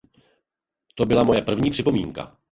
To byla moje první připomínka.